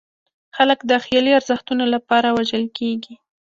خلک د خیالي ارزښتونو لپاره وژل کېږي.